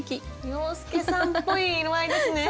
洋輔さんっぽい色合いですね。